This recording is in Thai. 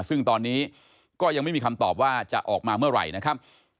ซึ่งตอนนี้ก็ยังไม่มีคำตอบว่าจะออกมาเมื่อไหร่นะครับ